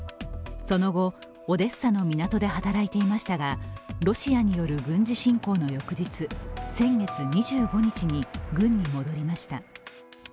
その後、オデッサの港で働いていましたがロシアによる軍事侵攻の翌日先月２５日に軍に戻りました。